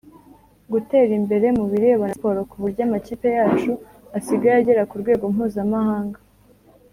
gutera imbere mu birebana na siporo ku buryo amakipe yacu asigaye agera kurwego mpuza mahanga